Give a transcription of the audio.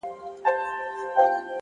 هره ناکامي د نوې هڅې دروازه ده,